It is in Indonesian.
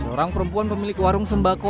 seorang perempuan pemilik warung sembako